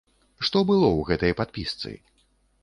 Што было ў гэтай падпісцы?